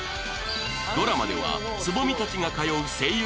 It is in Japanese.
ドラマでは蕾未たちが通う声優